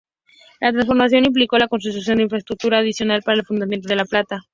La transformación implicó la construcción de infraestructura adicional para el funcionamiento de la planta.